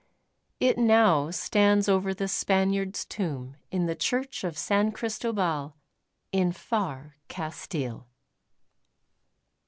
It now stands over the Spaniard's tomb in the church of San Cristobal in far Castile.